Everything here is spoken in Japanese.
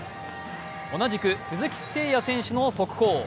同じく鈴木誠也選手の速報。